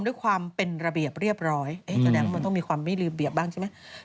ด้วยความเป็นระเบียบเรียบร้อยแสดงว่ามันต้องมีความไม่ลืมเบียบบ้างใช่ไหม